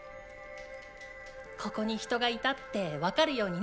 ここに人がいたって分かるようにね。